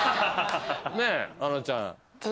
ねえあのちゃん。